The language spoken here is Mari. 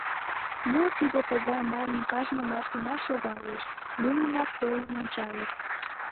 Мо тиде тыгай манын, кажне машина шогалеш, лӱмынак толын ончалыт.